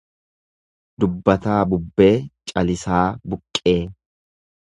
Dubbataa bubbee calisaa buqqee.